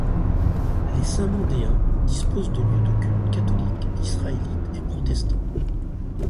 Les Saint-Mandéens disposent de lieux de cultes catholique, israélite et protestant.